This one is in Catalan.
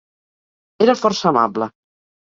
Era força amable.